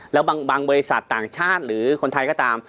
แล้วบางบริษัทต่างชาติหรือคนไทยก็ตาม